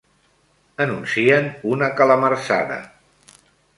Anuncien una calamarsada.